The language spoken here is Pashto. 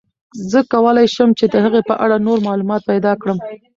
زه کولای شم چې د هغې په اړه نور معلومات پیدا کړم.